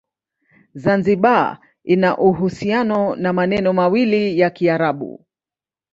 Zanzibar ina uhusiano na maneno mawili ya Kiarabu.